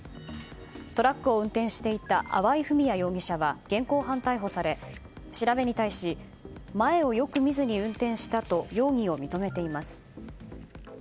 トラックを運転していた粟井文哉容疑者は現行犯逮捕され調べに対し前をよく見ずに運転したと容疑を認めています。